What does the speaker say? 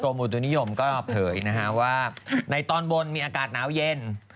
อุตุนิยมก็เผยนะฮะว่าในตอนบนมีอากาศหนาวเย็น